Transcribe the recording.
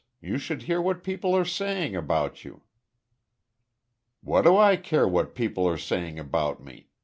You should hear what people are saying about you." "What do I care what people are saying about me?